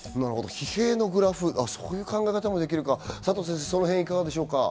疲弊のグラフ、そういう考え方もできるか、佐藤先生、どうでしょう？